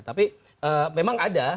tapi memang ada